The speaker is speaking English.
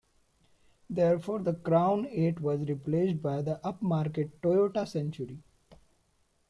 Thereafter the Crown Eight was replaced by the upmarket Toyota Century.